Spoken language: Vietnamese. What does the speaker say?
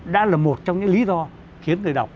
đã là một trong những lý do khiến người đọc